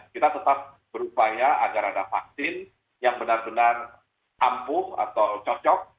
kita tetap berupaya agar ada vaksin yang benar benar ampuh atau cocok